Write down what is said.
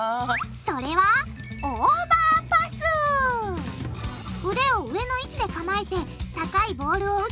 それは腕を上の位置で構えて高いボールを受けて返すよ